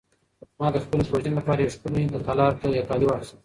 ما د خپلې کوژدنې لپاره یو ښکلی د تالار کالي واخیستل.